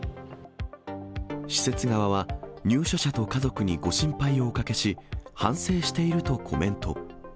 施設側は、入所者と家族にご心配をおかけし、反省しているとコメント。